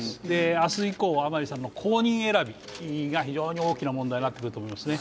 明日以降、甘利さんの後任選びが問題になってくると思います。